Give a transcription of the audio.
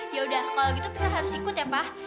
yaudah kalau gitu prita harus ikut ya pak